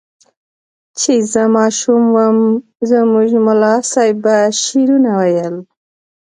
زه چې ماشوم وم زموږ ملا صیب به شعرونه ویل.